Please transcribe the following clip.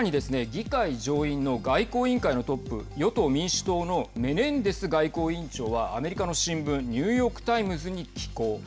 議会上院の外交委員会のトップ与党・民主党のメネンデス外交委員長はアメリカの新聞ニューヨークタイムズに寄稿。